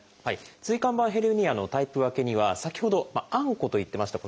椎間板ヘルニアのタイプ分けには先ほどあんこと言ってました